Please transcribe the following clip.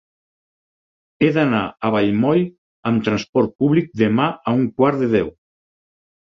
He d'anar a Vallmoll amb trasport públic demà a un quart de deu.